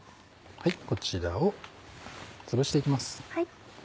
こちらをつぶしていきます。